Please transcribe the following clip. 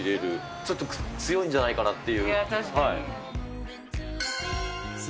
ちょっと強いんじゃないかなっていう。